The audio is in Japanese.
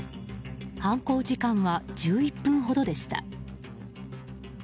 犯行時間は１１分ほどでした。